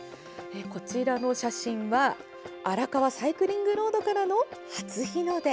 こちらの写真は荒川サイクリングロードからの初日の出。